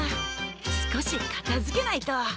少し片づけないと。